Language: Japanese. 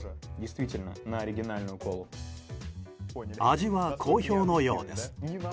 味は好評のようです。